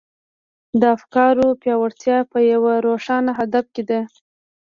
د افکارو پياوړتيا په يوه روښانه هدف کې ده.